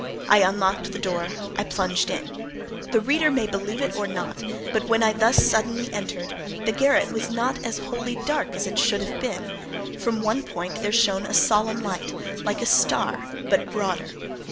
I unlocked the door, I plunged in. The reader may believe it or not, but when I thus suddenly entered, that garret was not wholly dark as it should have been: from one point there shone a solemn light, like a star, but broader.